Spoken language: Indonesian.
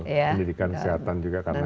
pendidikan kesehatan juga karena